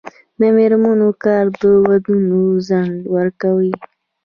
د میرمنو کار د ودونو ځنډ ورکوي.